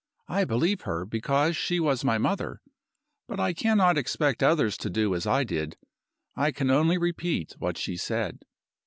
I believed her, because she was my mother. But I cannot expect others to do as I did I can only repeat what she said.